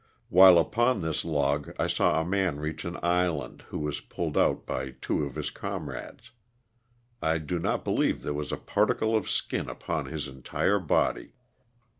While upon this log I saw a man reach an island who was pulled out by two of his comrades. I do not believe there was a particle of skin upon his entire body.